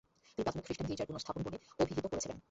তিনি প্রাথমিক খ্রিস্টান গির্জার পুনঃস্থাপন বলে অভিহিত করেছিলেন।